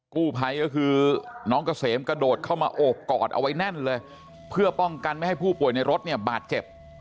กู้ภัยก็คือน้องเกษมกระโดดเข้ามาโอบกอดเอาไว้แน่นเลยเพื่อป้องกันไม่ให้ผู้ป่วยในรถเนี่ยบาดเจ็บ